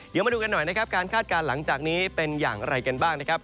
เดี๋ยวมาดูกันหน่อยนะครับการคาดการณ์หลังจากนี้เป็นอย่างไรกันบ้างนะครับ